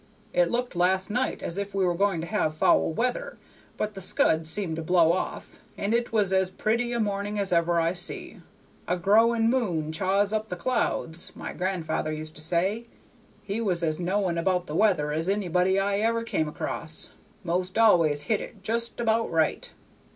It looked last night as if we were going to have foul weather, but the scud seemed to blow off, and it was as pretty a morning as ever I see. 'A growing moon chaws up the clouds,' my gran'ther used to say. He was as knowing about the weather as anybody I ever come across; 'most always hit it just about right.